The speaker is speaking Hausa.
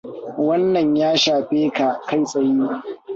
Wannan ya shafe ka kai tsaye.